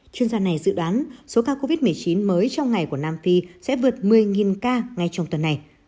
chuyên gia này dự đoán số ca covid một mươi chín mới trong ngày của nam phi sẽ vượt một mươi ca ngay trong tuần này